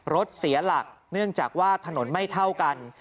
รถเสียหลักเนื่องจากว่าถนนไม่เท่ากัน